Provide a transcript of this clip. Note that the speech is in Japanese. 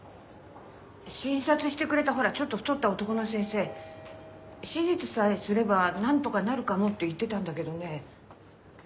診察してくれたほらちょっと太った男の先生手術さえすればなんとかなるかもって言ってたんだけどね。